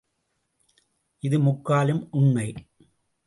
இது முக்காலும் உண்மை!